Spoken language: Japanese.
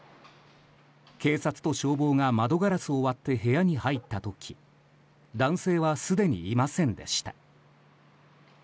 警察と消防が窓ガラスを割って部屋に入った時男性はすでにいませんでした。